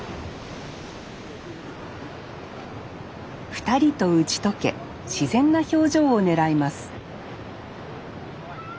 ２人と打ち解け自然な表情をねらいます。